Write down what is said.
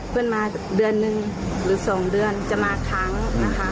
เพื่อนมาเดือนนึงหรือ๒เดือนจะมาครั้งนะคะ